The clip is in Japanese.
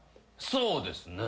そうですね。